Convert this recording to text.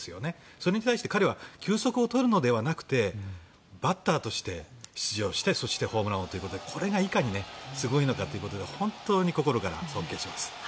それに対して彼は休息を取るのではなくてバッターとして出場してそしてホームランをということでこれがいかにすごいのかということで本当に心から尊敬します。